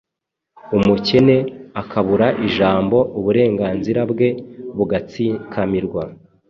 umukene akabura ijambo, uburenganzira bwe bugatsikamirwa.